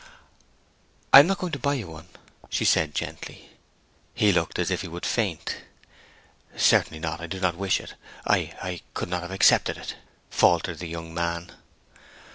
'I am not going to buy you one,' she said gently. He looked as if he would faint. 'Certainly not. I do not wish it. I could not have accepted it,' faltered the young man.